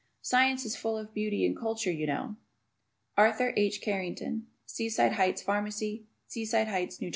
Science is full of beauty and culture, you know. Arthur H. Carrington, Seaside Heights Pharmacy, Seaside Heights, N. J.